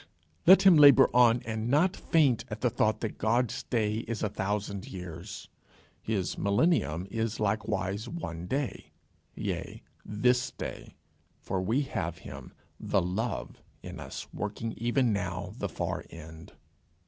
Let him labour on, and not faint at the thought that God's day is a thousand years: his millennium is likewise one day yea, this day, for we have him, The Love, in us, working even now the far end.